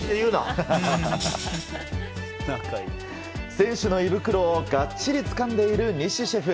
選手の胃袋をがっちりつかんでいる西シェフ。